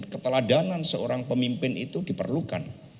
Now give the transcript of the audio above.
keteladanan seorang pemimpin itu diperlukan